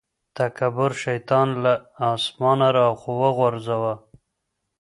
تکبر شيطان له اسمانه راوغورځاوه.